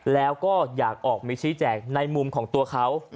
แล้วก็อยากออกมาชี้แจงในมุมของตัวเขา